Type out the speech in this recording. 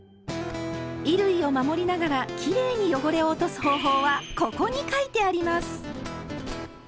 衣類を守りながらきれいに汚れを落とす方法は「ここ」に書いてあります！